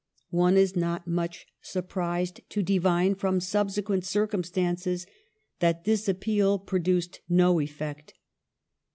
One is not much surprised to divine from sub sequent circumstances that this appeal produced no effect.